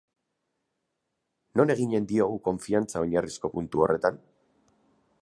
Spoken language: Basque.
Non eginen diogu konfiantza oinarrizko puntu horretan?